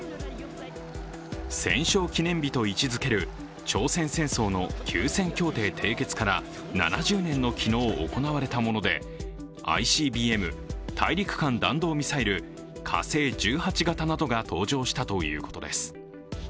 戦勝記念日と位置づける朝鮮戦争の休戦協定締結から７０年の昨日行われたものでＩＣＢＭ＝大陸間弾道ミサイル、火星１８型などが登場したということです。